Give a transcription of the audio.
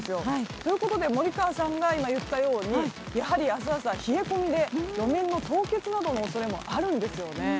ということで、森川さんが今言ったようにやはり明日朝冷え込みで路面の凍結などの恐れもあるんですよね。